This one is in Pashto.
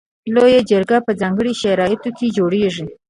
لویه جرګه په ځانګړو شرایطو کې جوړیږي.